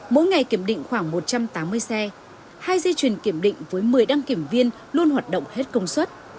mỗi ngày kiểm định khoảng một trăm tám mươi xe hai dây chuyền kiểm định với một mươi đăng kiểm viên luôn hoạt động hết công suất